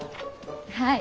はい。